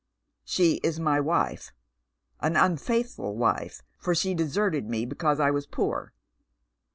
" She is my wife. An unfaithful wife, for she deserted me because I was poor.